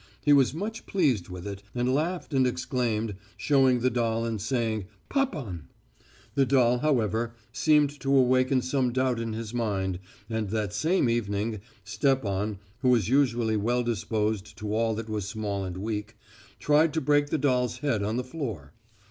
He was much pleased with it, and laughed and exclaimed, showing the doll and saying Papan! The doll, however, seemed to awaken some doubt in his mind, and that same evening Stepan, who was usually well disposed to all that was small and weak, tried to break the doll's head on the floor.